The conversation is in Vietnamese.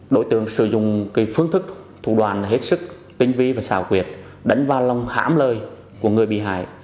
đối tượng sử dụng phương thức thủ đoàn hết sức tinh vi và xào quyệt đánh va lông hãm lời của người bị hại